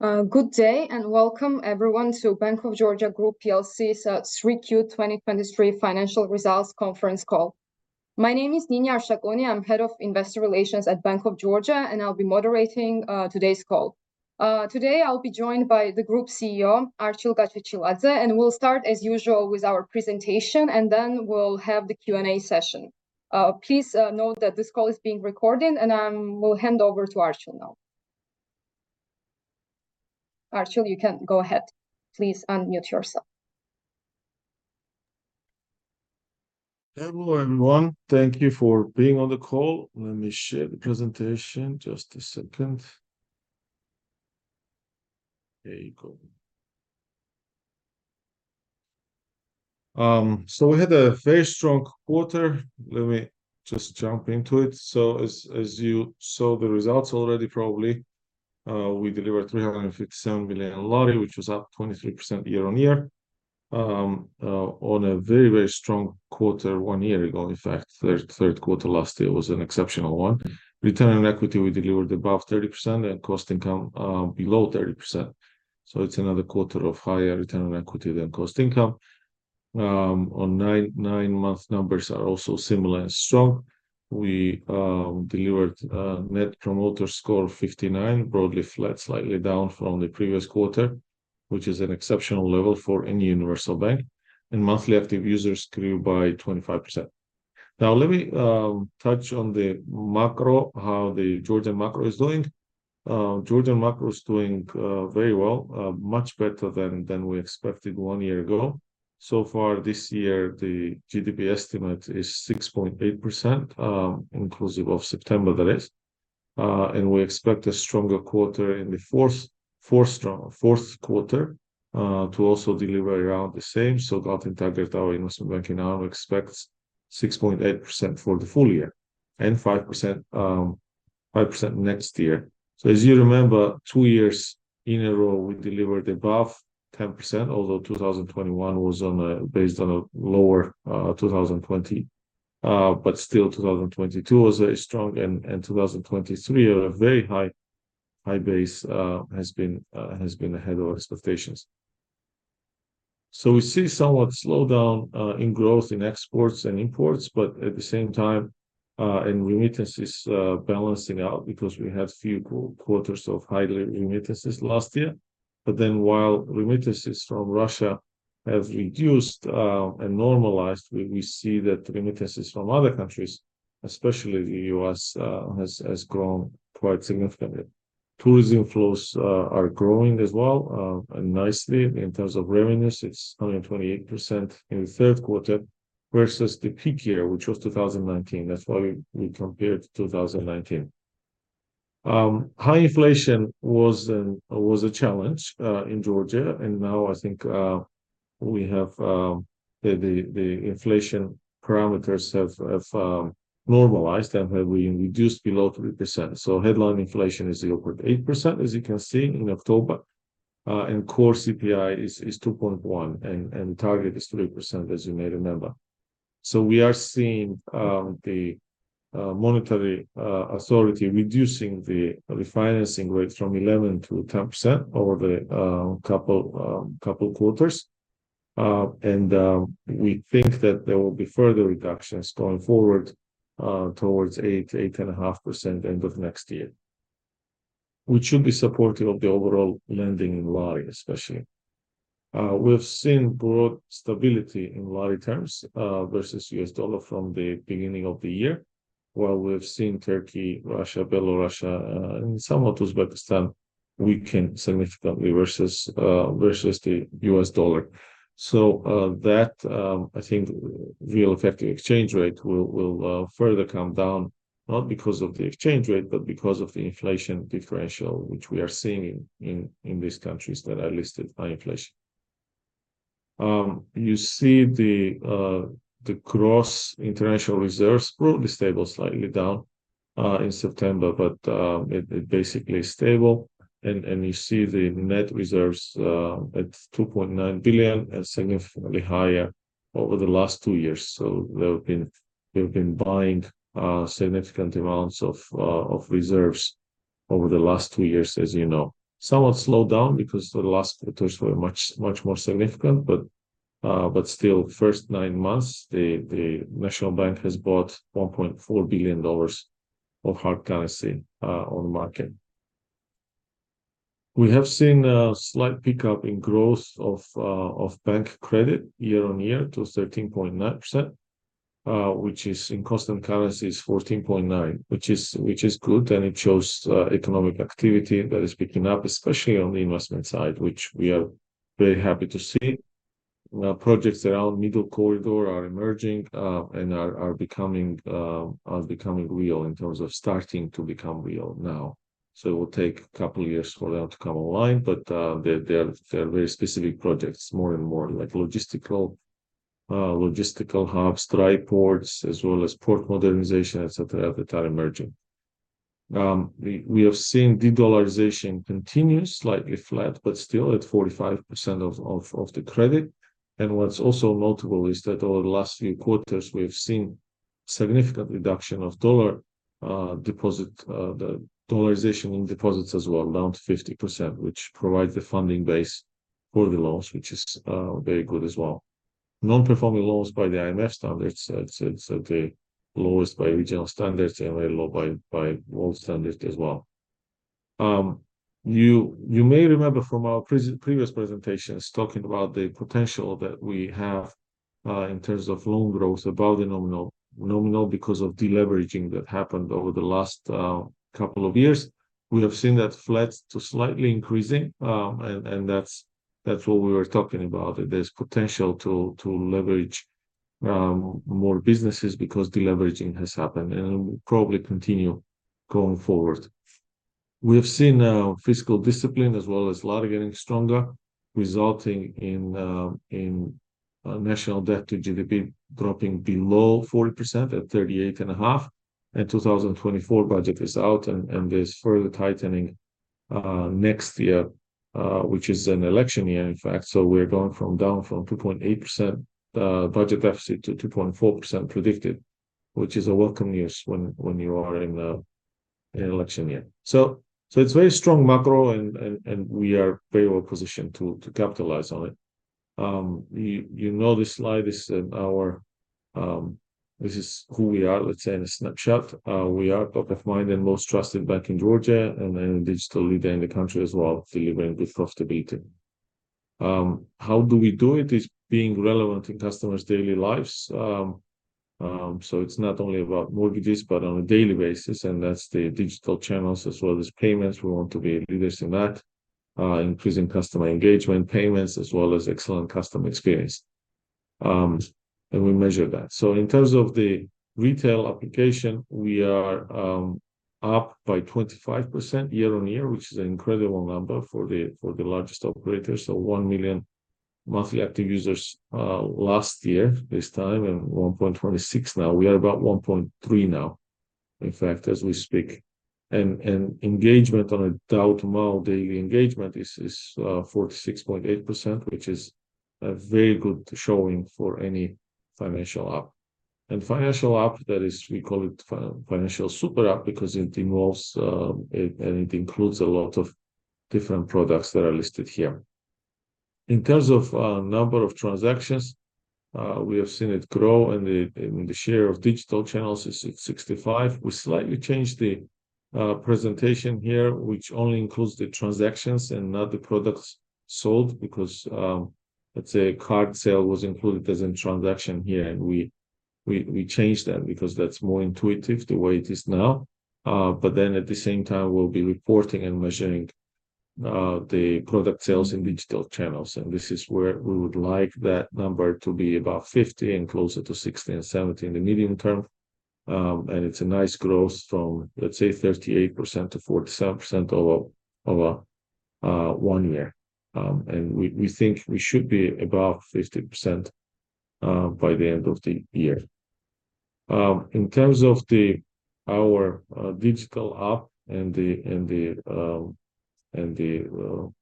Good day, and welcome, everyone, to Bank of Georgia Group PLC's 3Q 2023 financial results conference call. My name is Nini Arshakuni. I'm head of Investor Relations at Bank of Georgia, and I'll be moderating today's call. Today, I'll be joined by the group CEO, Archil Gachechiladze, and we'll start, as usual, with our presentation, and then we'll have the Q&A session. Please note that this call is being recorded, and we'll hand over to Archil now. Archil, you can go ahead. Please unmute yourself. Hello, everyone. Thank you for being on the call. Let me share the presentation. Just a second. There you go. So we had a very strong quarter. Let me just jump into it. So as you saw the results already, probably, we delivered GEL 357 million, which was up 23% year-on-year. On a very, very strong quarter one year ago, in fact, third quarter last year was an exceptional one. Return on equity, we delivered above 30% and cost income below 30%. So it's another quarter of higher return on equity than cost income. On nine months, numbers are also similar and strong. We delivered a Net Promoter Score of 59, broadly flat, slightly down from the previous quarter, which is an exceptional level for any universal bank, and monthly active users grew by 25%. Now, let me touch on the macro, how the Georgian macro is doing. Georgian macro is doing very well, much better than we expected one year ago. So far this year, the GDP estimate is 6.8%, inclusive of September, that is, and we expect a stronger quarter in the fourth quarter to also deliver around the same. So that's in target, our investment banking now expects 6.8% for the full year and 5%, 5% next year. So as you remember, two years in a row, we delivered above 10%, although 2021 was on a, based on a lower, 2020. But still, 2022 was very strong, and, and 2023, a very high, high base, has been, has been ahead of expectations. So we see somewhat slowdown in growth in exports and imports, but at the same time, and remittances, balancing out because we have few quarters of high remittances last year. But then, while remittances from Russia have reduced, and normalized, we, we see that remittances from other countries, especially the U.S., has, has grown quite significantly. Tourism flows are growing as well, and nicely. In terms of revenues, it's 128% in the third quarter versus the peak year, which was 2019. That's why we compared to 2019. High inflation was a challenge in Georgia, and now I think we have the inflation parameters have normalized, and we reduced below 3%. So headline inflation is 0.8%, as you can see in October, and core CPI is 2.1, and target is 3%, as you may remember. So we are seeing the monetary authority reducing the refinancing rate from 11% to 10% over the couple quarters. And, we think that there will be further reductions going forward, towards 8%-8.5% end of next year, which should be supportive of the overall lending Lari, especially. We've seen broad stability in Lari terms, versus U.S. dollar from the beginning of the year, while we've seen Turkey, Russia, Belarus, and somewhat Uzbekistan weaken significantly versus the U.S. dollar. So, that, I think real effective exchange rate will further come down, not because of the exchange rate, but because of the inflation differential, which we are seeing in these countries that are listed by inflation. You see the gross international reserves grew. They're stable, slightly down in September, but it basically is stable, and you see the net reserves at 2.9 billion and significantly higher over the last two years. So they've been buying significant amounts of reserves over the last two years, as you know. Somewhat slowed down because the last quarters were much more significant, but still, first nine months, the National Bank has bought $1.4 billion of hard currency on the market. We have seen a slight pickup in growth of bank credit year-on-year to 13.9%, which is in constant currency 14.9, which is good, and it shows economic activity that is picking up, especially on the investment side, which we are very happy to see. Projects around Middle Corridor are emerging, and are becoming real in terms of starting to become real now. So it will take a couple of years for them to come online, but they're very specific projects, more and more like logistical hubs, dry ports, as well as port modernization, et cetera, that are emerging. We have seen de-dollarization continue, slightly flat, but still at 45% of the credit. What's also notable is that over the last few quarters, we have seen significant reduction of dollar deposit, the dollarization in deposits as well, down to 50%, which provides the funding base for the loans, which is very good as well. Non-performing loans by the IMF standards, it's at the lowest by regional standards, and very low by world standards as well. You may remember from our previous presentations, talking about the potential that we have in terms of loan growth above the nominal, nominal because of deleveraging that happened over the last couple of years. We have seen that flat to slightly increasing, and that's what we were talking about. There's potential to leverage more businesses because deleveraging has happened, and it will probably continue going forward. We have seen fiscal discipline as well as Lari getting stronger, resulting in national debt to GDP dropping below 40%, at 38.5, and 2024 budget is out, and there's further tightening next year, which is an election year, in fact. So we're going from down from 2.8% budget deficit to 2.4% predicted, which is a welcome news when you are in an election year. So it's very strong macro and we are very well positioned to capitalize on it. You know, this slide, this is our... This is who we are, let's say, in a nutshell. We are top of mind and most trusted bank in Georgia, and a digital leader in the country as well, delivering with trust to beat it. How do we do it? Is being relevant in customers' daily lives. So it's not only about mortgages, but on a daily basis, and that's the digital channels as well as payments. We want to be leaders in that, increasing customer engagement, payments, as well as excellent customer experience. And we measure that. So in terms of the retail application, we are up by 25% year-on-year, which is an incredible number for the largest operator. So 1 million monthly active users last year, this time, and 1.26 now. We are about 1.3 now, in fact, as we speak. Engagement on a daily monthly engagement is 46.8%, which is a very good showing for any financial app. Financial app, that is, we call it financial super app because it involves and it includes a lot of different products that are listed here. In terms of number of transactions, we have seen it grow, and the share of digital channels is 65%. We slightly changed the presentation here, which only includes the transactions and not the products sold, because let's say a card sale was included as a transaction here, and we changed that because that's more intuitive the way it is now. But then at the same time, we'll be reporting and measuring the product sales in digital channels, and this is where we would like that number to be about 50 and closer to 60 and 70 in the medium term. And it's a nice growth from, let's say, 38% to 47% over one year. And we think we should be above 50% by the end of the year. In terms of our digital app and the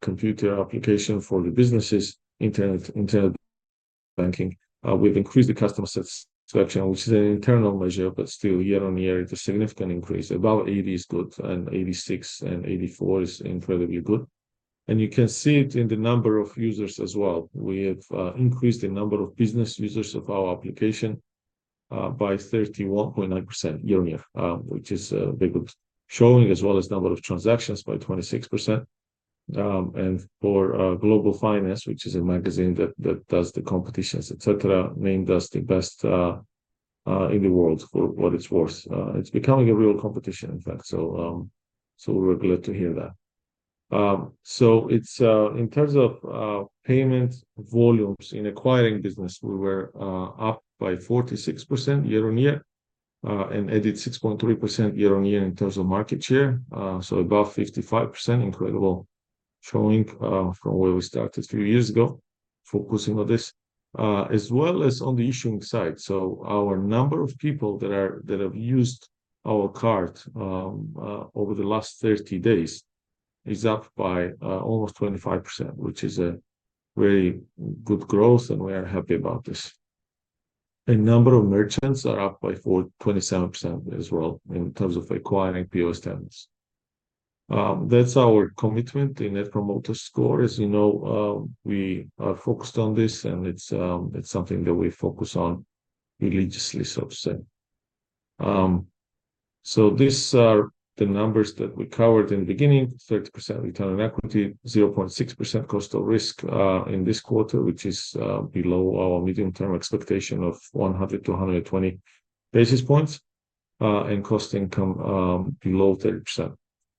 computer application for the businesses, internet banking, we've increased the customer satisfaction, which is an internal measure, but still year-on-year, it's a significant increase. Above 80 is good, and 86 and 84 is incredibly good. You can see it in the number of users as well. We have increased the number of business users of our application by 31.9% year-on-year, which is a very good showing, as well as number of transactions by 26%. And for Global Finance, which is a magazine that does the competitions, et cetera, named us the best in the world for what it's worth. It's becoming a real competition, in fact, so we're glad to hear that. So it's in terms of payment volumes in acquiring business, we were up by 46% year-on-year, and added 6.3% year-on-year in terms of market share. So above 55%, incredible showing from where we started a few years ago, focusing on this. As well as on the issuing side. So our number of people that have used our card over the last 30 days is up by almost 25%, which is a very good growth, and we are happy about this. The number of merchants are up by 427% as well, in terms of acquiring POS terminals. That's our commitment. The Net Promoter Score, as you know, we are focused on this, and it's something that we focus on religiously, so to say. So these are the numbers that we covered in the beginning. 30% return on equity, 0.6% cost of risk in this quarter, which is below our medium-term expectation of 100-120 basis points. And cost income below 30%.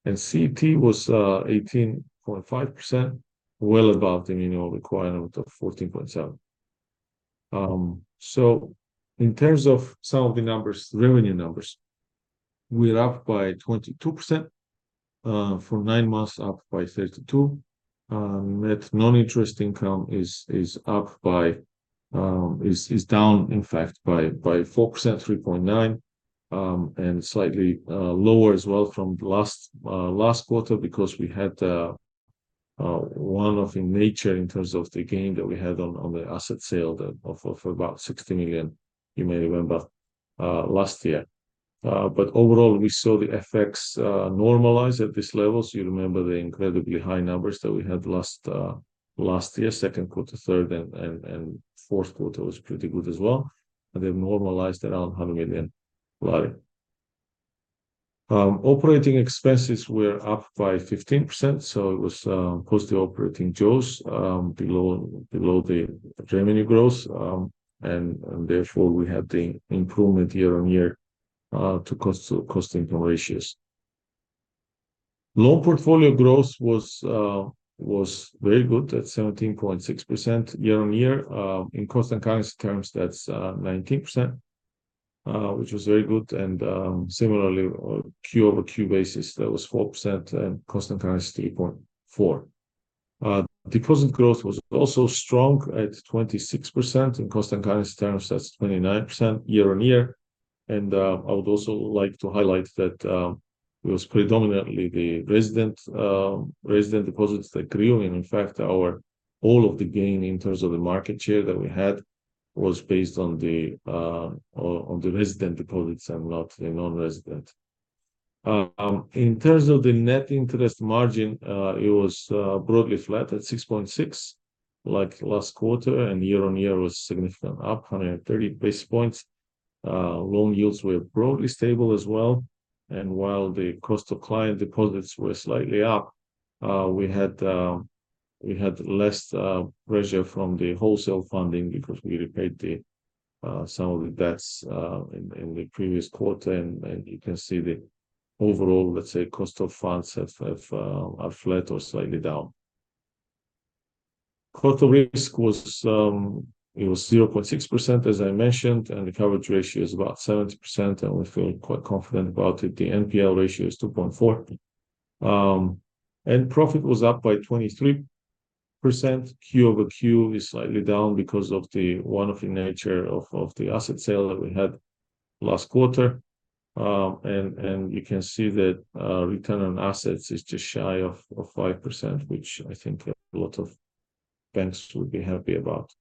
And CET1 was 18.5%, well above the minimal requirement of 14.7. So in terms of some of the numbers, revenue numbers, we're up by 22% for nine months, up by 32%. Net non-interest income is down in fact by 3.9%. And slightly lower as well from last quarter because we had one-off in nature in terms of the gain that we had on the asset sale of about GEL 60 million, you may remember, last year. But overall, we saw the effects normalize at this level. So you remember the incredibly high numbers that we had last year, second quarter, third and fourth quarter was pretty good as well, and they've normalized around GEL 100 million Lari. Operating expenses were up by 15%, so it was cost-to-income ratio below the revenue growth. And therefore, we had the improvement year-on-year to cost income ratios. Loan portfolio growth was very good at 17.6% year-on-year. In constant currency terms, that's 19%, which was very good. And similarly, Q over Q basis, that was 4%, and constant currency, 8.4%. Deposit growth was also strong at 26%. In constant currency terms, that's 29% year-on-year. I would also like to highlight that it was predominantly the resident resident deposits that grew. In fact, all of the gain in terms of the market share that we had was based on the on the resident deposits and not the non-resident. In terms of the net interest margin, it was broadly flat at 6.6%, like last quarter, and year-on-year was significant, up 130 basis points. Loan yields were broadly stable as well, and while the cost of client deposits were slightly up, we had less pressure from the wholesale funding because we repaid some of the debts in the previous quarter. You can see the overall, let's say, cost of funds are flat or slightly down. Cost of risk was, it was 0.6%, as I mentioned, and the coverage ratio is about 70%, and we feel quite confident about it. The NPL ratio is 2.4. And profit was up by 23%. Q-over-Q is slightly down because of the one-off nature of the asset sale that we had last quarter. And you can see that return on assets is just shy of 5%, which I think a lot of banks would be happy about.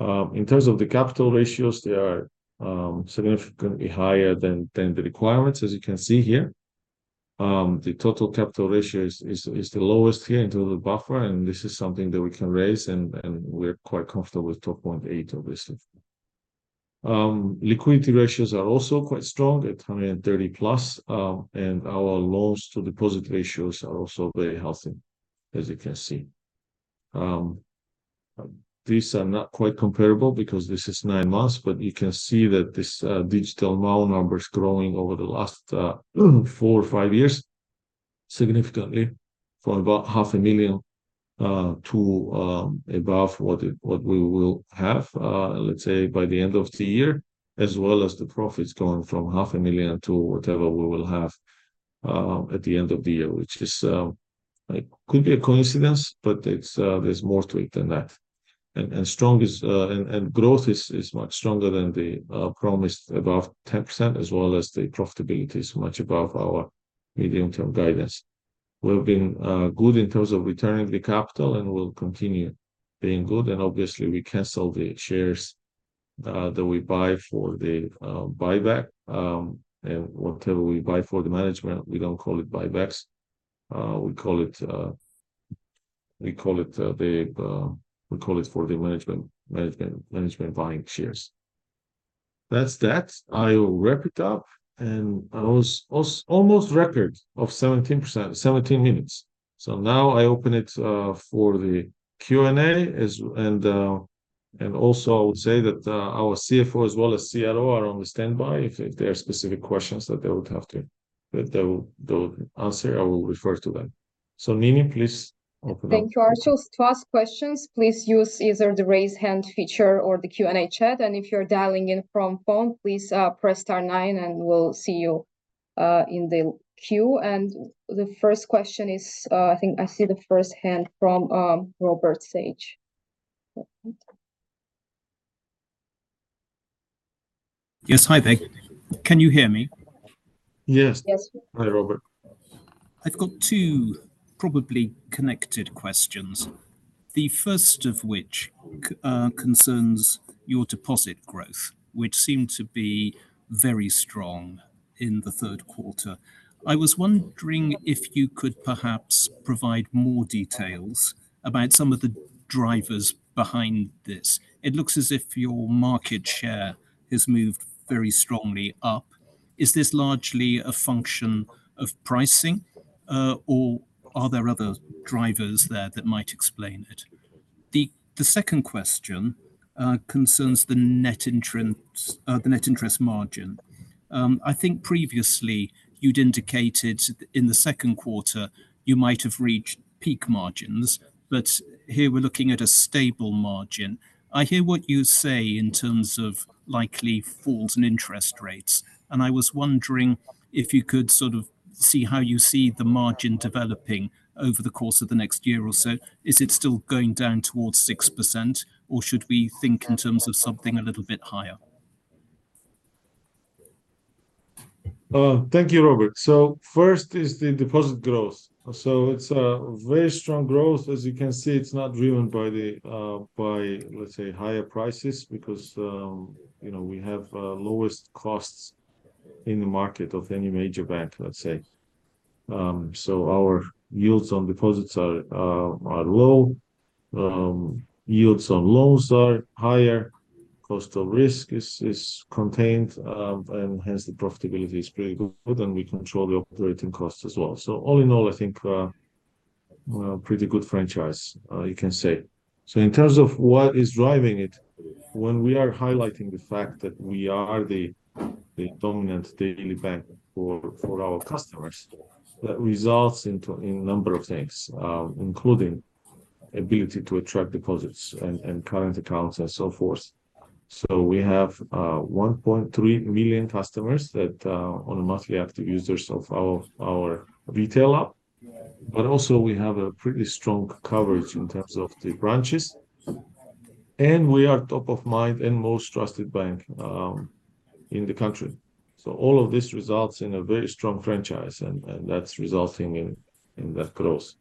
In terms of the capital ratios, they are significantly higher than the requirements, as you can see here. The total capital ratio is the lowest here in total buffer, and this is something that we can raise, and we're quite comfortable with 2.8, obviously. Liquidity ratios are also quite strong at 130+, and our loans to deposit ratios are also very healthy, as you can see. These are not quite comparable because this is nine months, but you can see that this digital loan number is growing over the last four or five years significantly, from about 500,000 to above what we will have, let's say, by the end of the year, as well as the profits going from GEL 500,000 to whatever we will have at the end of the year, which could be a coincidence, but it's there's more to it than that. And strong is... Growth is much stronger than the promised, above 10%, as well as the profitability is much above our medium-term guidance. We've been good in terms of returning the capital and will continue being good, and obviously, we cancel the shares that we buy for the buyback. And whatever we buy for the management, we don't call it buybacks, we call it for the management buying shares. That's that. I will wrap it up, and almost record of 17%... 17 minutes. So now I open it for the Q&A, and also I would say that our CFO as well as CRO are on the standby. If there are specific questions that they would have to... That they will, they'll answer, I will refer to them. Nini, please open up. Thank you, Archil. To ask questions, please use either the Raise Hand feature or the Q&A chat, and if you're dialing in from phone, please, press star nine, and we'll see you in the queue. And the first question is, I think I see the first hand from Robert Sage. Yes. Hi there. Can you hear me? Yes. Yes. Hi, Robert. I've got two probably connected questions. The first of which concerns your deposit growth, which seemed to be very strong in the third quarter. I was wondering if you could perhaps provide more details about some of the drivers behind this. It looks as if your market share has moved very strongly up. Is this largely a function of pricing, or are there other drivers there that might explain it? The second question concerns the net interest, the net interest margin. I think previously you'd indicated in the second quarter you might have reached peak margins, but here we're looking at a stable margin. I hear what you say in terms of likely falls in interest rates, and I was wondering if you could sort of see how you see the margin developing over the course of the next year or so? Is it still going down towards 6%, or should we think in terms of something a little bit higher? Thank you, Robert. So first is the deposit growth. So it's a very strong growth. As you can see, it's not driven by the, by, let's say, higher prices, because, you know, we have lowest costs in the market of any major bank, let's say. So our yields on deposits are low, yields on loans are higher, cost of risk is contained, and hence the profitability is pretty good, and we control the operating costs as well. So all in all, I think pretty good franchise, you can say. So in terms of what is driving it, when we are highlighting the fact that we are the dominant daily bank for our customers, that results into a number of things, including ability to attract deposits and current accounts, and so forth. So we have, 1.3 million customers that, on a monthly active users of our, our retail app, but also we have a pretty strong coverage in terms of the branches. And we are top of mind and most trusted bank, in the country. So all of this results in a very strong franchise, and, and that's resulting in, in that growth.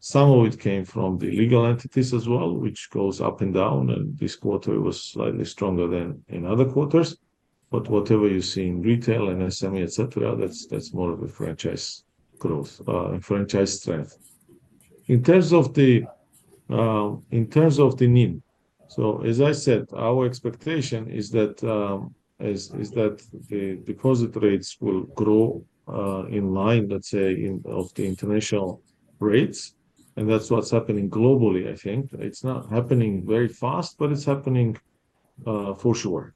Some of it came from the legal entities as well, which goes up and down, and this quarter was slightly stronger than in other quarters. But whatever you see in retail, and SME, et cetera, that's, that's more of a franchise growth, franchise strength. In terms of the NIM, so as I said, our expectation is that the deposit rates will grow in line, let's say, with the international rates, and that's what's happening globally, I think. It's not happening very fast, but it's happening for sure.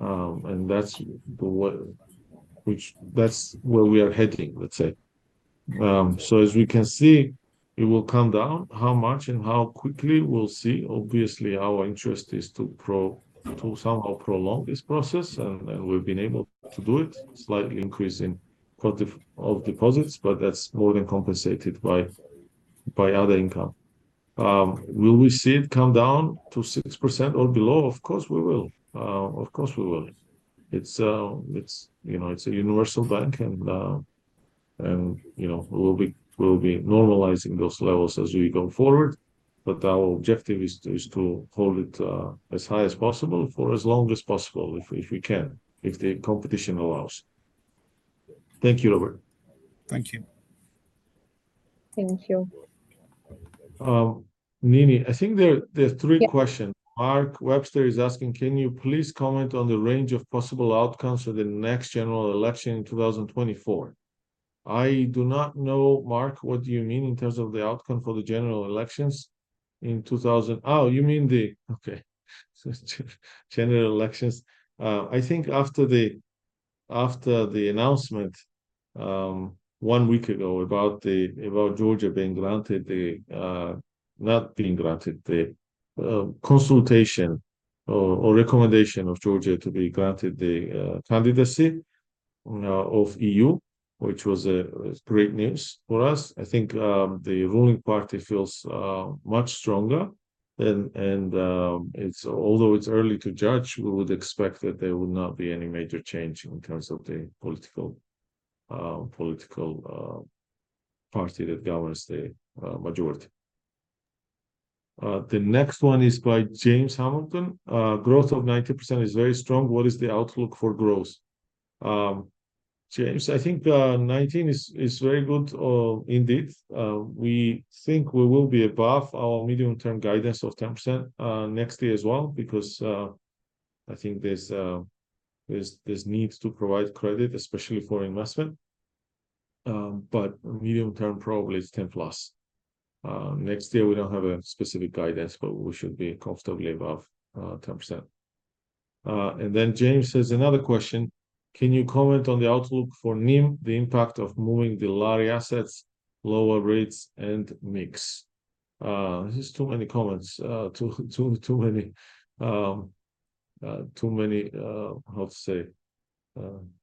And that's where we are heading, let's say. So as we can see, it will come down. How much and how quickly, we'll see. Obviously, our interest is to somehow prolong this process, and we've been able to do it, slightly increasing quantity of deposits, but that's more than compensated by other income. Will we see it come down to 6% or below? Of course, we will. Of course we will. It's, you know, it's a universal bank, and, you know, we'll be normalizing those levels as we go forward, but our objective is to hold it as high as possible for as long as possible, if we can, if the competition allows. Thank you, Robert. Thank you. Thank you. Nini, I think there are three questions. Yep. Mark Webster is asking, "Can you please comment on the range of possible outcomes for the next general election in 2024?" I do not know, Mark, what do you mean in terms of the outcome for the general elections in 2000... Oh, you mean the... Okay. So general elections. I think after the announcement one week ago about the about Georgia being granted the not being granted the consultation or or recommendation of Georgia to be granted the candidacy of EU, which was great news for us. I think the ruling party feels much stronger, and and it's although it's early to judge, we would expect that there will not be any major change in terms of the political political party that governs the majority. The next one is by James Hamilton: "Growth of 90% is very strong. What is the outlook for growth?" James, I think 19 is very good indeed. We think we will be above our medium-term guidance of 10%, next year as well, because I think there's needs to provide credit, especially for investment. But medium term, probably is 10+. Next year we don't have a specific guidance, but we should be comfortably above 10%. And then James says, another question: "Can you comment on the outlook for NIM, the impact of moving the lari assets, lower rates and mix?" This is too many comments, too many, how to say?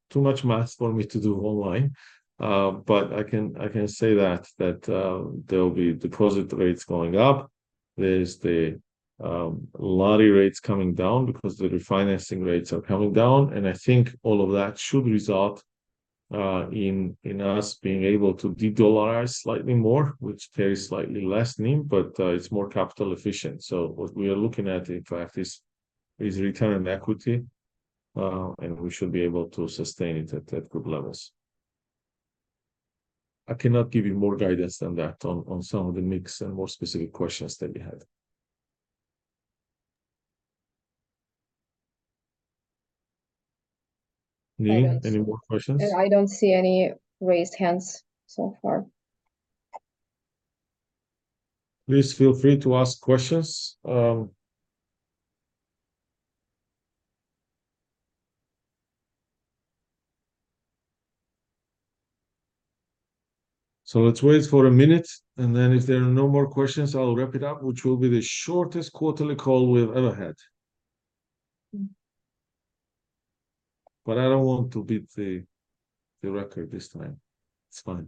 Too much math for me to do online. But I can say that there will be deposit rates going up. There's the Lari rates coming down because the refinancing rates are coming down, and I think all of that should result in us being able to de-dollarize slightly more, which carries slightly less NIM, but it's more capital efficient. So what we are looking at, in fact, is return on equity, and we should be able to sustain it at good levels. I cannot give you more guidance than that on some of the mix and more specific questions that we had. Nini, any more questions? I don't see any raised hands so far. Please feel free to ask questions. So let's wait for a minute, and then if there are no more questions, I'll wrap it up, which will be the shortest quarterly call we've ever had. But I don't want to beat the record this time. It's fine.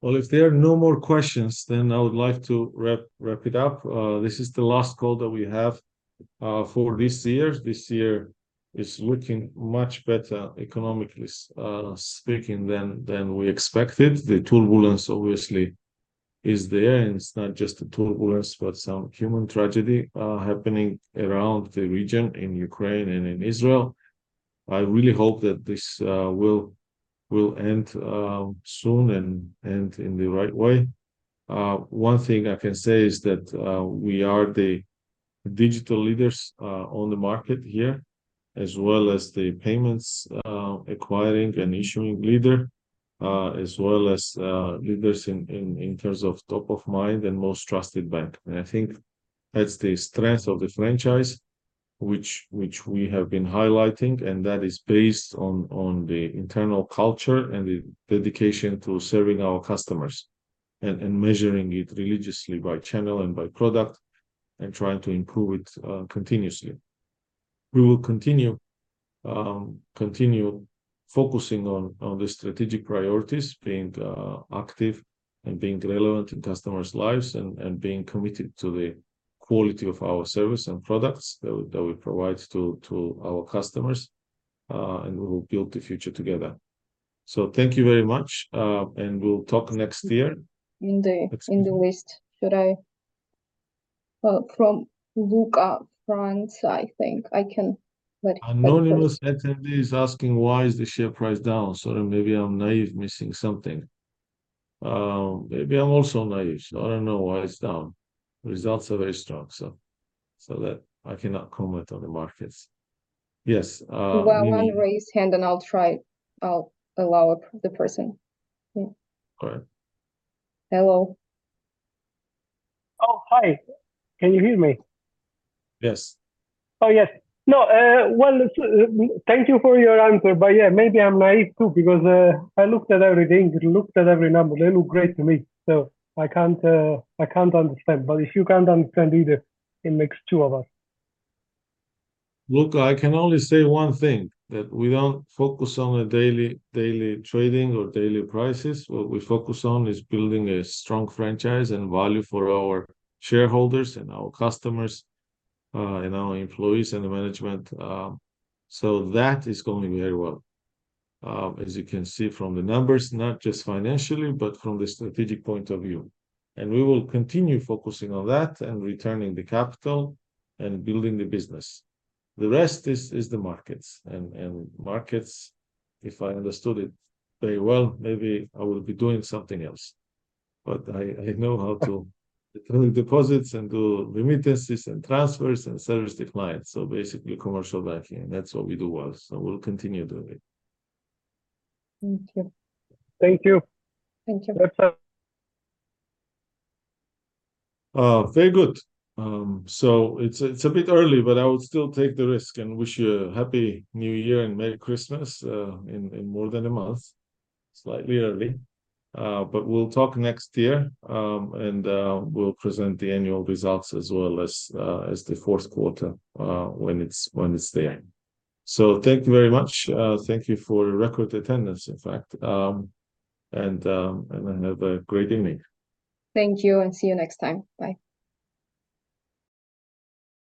Well, if there are no more questions, then I would like to wrap it up. This is the last call that we have for this year. This year is looking much better economically, speaking than we expected. The turbulence, obviously, is there, and it's not just the turbulence, but some human tragedy happening around the region, in Ukraine and in Israel. I really hope that this will end soon and in the right way. One thing I can say is that we are the digital leaders on the market here, as well as the payments acquiring and issuing leader, as well as leaders in terms of top-of-mind and most trusted bank. And I think that's the strength of this franchise, which we have been highlighting, and that is based on the internal culture and the dedication to serving our customers, and measuring it religiously by channel and by product, and trying to improve it continuously. We will continue focusing on the strategic priorities, being active and being relevant in customers' lives, and being committed to the quality of our service and products that we provide to our customers, and we will build the future together. Thank you very much, and we'll talk next year. In the- Excuse me. In the list. Should I... from Lion Finance, I think. I can let it- Anonymous attendee is asking: Why is the share price down? Sorry, maybe I'm naive, missing something. Maybe I'm also naive, so I don't know why it's down. Results are very strong, so that I cannot comment on the markets. Yes, Nini. Well, one raise hand, and I'll try... I'll allow the person. Mm. All right. Hello? Oh, hi. Can you hear me? Yes. Oh, yes. No, well, thank you for your answer, but yeah, maybe I'm naive, too, because I looked at everything, I looked at every number. They look great to me, so I can't, I can't understand. But if you can't understand either, it makes two of us. Look, I can only say one thing, that we don't focus on daily trading or daily prices. What we focus on is building a strong franchise and value for our shareholders and our customers, and our employees and the management. That is going very well. As you can see from the numbers, not just financially, but from the strategic point of view. We will continue focusing on that and returning the capital and building the business. The rest is the markets, and markets, if I understood it very well, maybe I would be doing something else. But I know how to return deposits and do remittances and transfers and service the clients, so basically commercial banking, and that's what we do well, so we'll continue doing it. Thank you. Thank you. Thank you. That's all. Very good. So it's a bit early, but I would still take the risk and wish you a Happy New Year and Merry Christmas in more than a month. Slightly early, but we'll talk next year. We'll present the annual results as well as the fourth quarter when it's there. So thank you very much. Thank you for record attendance, in fact. And have a great evening. Thank you, and see you next time. Bye.